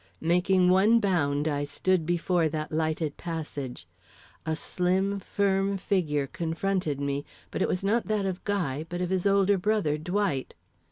Making one bound, I stood before that lighted passage. A slim, firm figure confronted me; but it was not that of Guy, but of his older brother, Dwight.